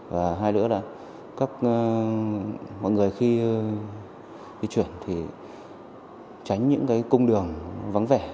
và hai lữa là các mọi người khi di chuyển thì tránh những công đường vắng vẻ